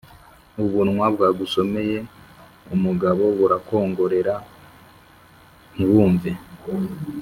ubunwa bwagusomeye umugabo burakwongorera ntiwumve.